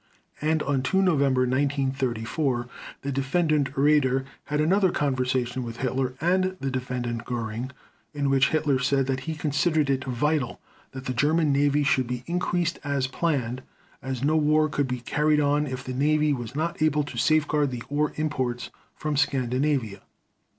And on 2 November 1934, the Defendant Raeder had another conversation with Hitler and the Defendant Göring, in which Hitler said that he considered it vital that the German Navy "should be increased as planned, as no war could be carried on if the Navy was not able to safeguard the ore imports from Scandinavia".